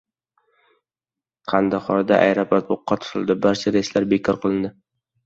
Qandahorda aeroport o‘qqa tutildi, barcha reyslar bekor qilindi